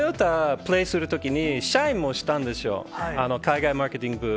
プレーするときに、社員もしたんですよ、海外マーケティング。